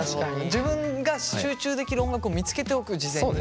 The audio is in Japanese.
自分が集中できる音楽を見つけておく事前に。